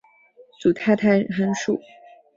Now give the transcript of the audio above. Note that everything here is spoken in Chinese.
组态态函数。